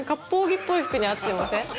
着っぽい服に合ってません？